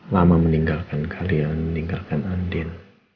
lama meninggalkan kalian meninggalkan andil